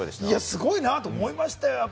すごいと思いました。